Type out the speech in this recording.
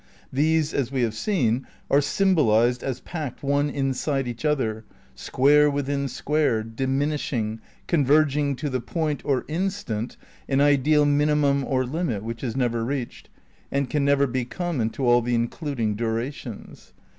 These, as we have seen, are symbolized as packed one inside each other, square within square, diminishing, converging to the point, or instant, an ideal minimum or limit which is never reached, and can never be common to all the including durations.